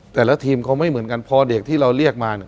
แต่ละทีมเขาไม่เหมือนกันพอเด็กที่เราเรียกมาเนี่ย